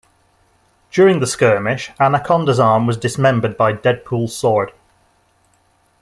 During the skirmish, Anaconda's arm was dismembered by Deadpool's sword.